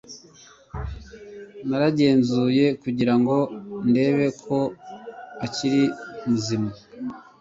Naragenzuye kugira ngo ndebe ko akiri muzima.